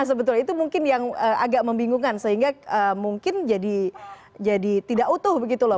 sebetulnya itu mungkin yang agak membingungkan sehingga mungkin jadi tidak utuh begitu loh